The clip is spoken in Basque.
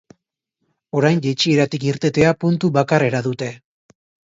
Orain, jaitsieratik irtetea puntu bakarrera dute.